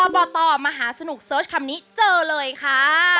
บตมหาสนุกเสิร์ชคำนี้เจอเลยค่ะ